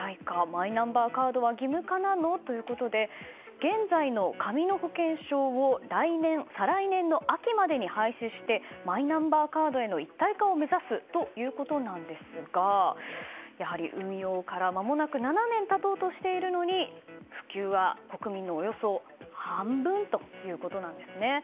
マイナンバーカードは義務化なの？ということで現在の紙の保険証を再来年の秋までに廃止してマイナンバーカードへの一体化を目指すということなんですがやはり運用からまもなく７年経とうとしているのに普及は国民のおよそ半分ということです。